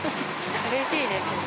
うれしいですね。